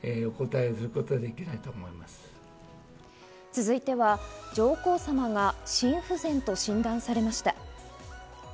続いては、上皇さまが心不全と診断されました。